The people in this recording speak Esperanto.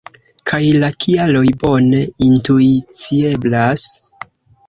Kaj la kialoj bone intuicieblas.